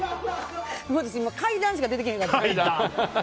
私、階段しか出てこなかった。